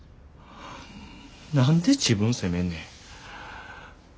何で自分責めんねん。